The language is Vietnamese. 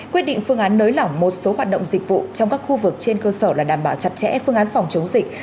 quyết định phương án nới lỏng một số hoạt động dịch vụ trong các khu vực trên cơ sở là đảm bảo chặt chẽ phương án phòng chống dịch